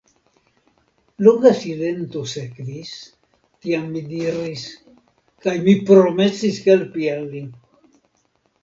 Longa silento sekvis, tiam mi diris:Kaj mi promesis helpi al li.